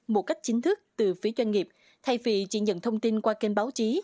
một cách chính thức từ phía doanh nghiệp thay vì chỉ nhận thông tin qua kênh báo chí